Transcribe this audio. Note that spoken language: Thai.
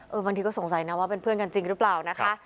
บางทีก็สงสัยนะว่าเป็นเพื่อนกันจริงหรือเปล่านะคะ